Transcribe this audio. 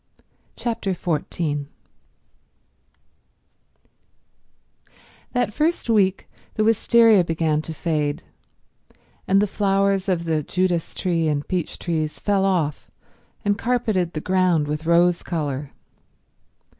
Chapter 14 That first week the wistaria began to fade, and the flowers of the Judas tree and peach trees fell off and carpeted the ground with rose colour.